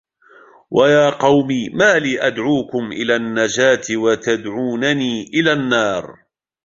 وَيَا قَوْمِ مَا لِي أَدْعُوكُمْ إِلَى النَّجَاةِ وَتَدْعُونَنِي إِلَى النَّارِ